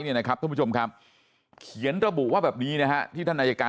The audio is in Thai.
เนี่ยนะครับท่านผู้ชมครับเขียนระบุว่าแบบนี้นะฮะที่ท่านอายการ